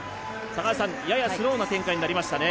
高橋さん、ややスローな展開になりましたね。